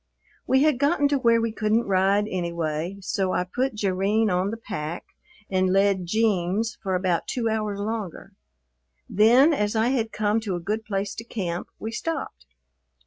We had gotten to where we couldn't ride anyway, so I put Jerrine on the pack and led "Jeems" for about two hours longer; then, as I had come to a good place to camp, we stopped.